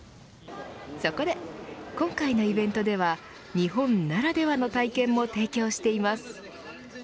そこで、今回のイベントでは日本ならではの体験も提供しています。